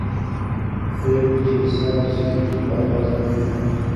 پرېکړې چې حساب شوي وي باور زیاتوي